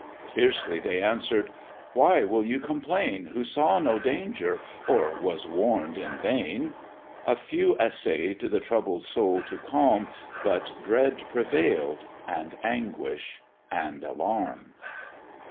Fiercely they answer'd, "Why will you complain, Who saw no danger, or was warn'd in vain?" A few essay'd the troubled soul to calm, But dread prevail'd, and anguish and alarm.